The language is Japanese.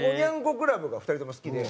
クラブが２人とも好きで。